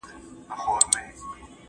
ماسومان باید په کور کي مطالعې ته وهڅول سي.